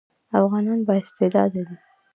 افغانان با استعداده دي